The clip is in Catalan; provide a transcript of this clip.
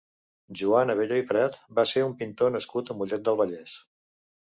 Joan Abelló i Prat va ser un pintor nascut a Mollet del Vallès.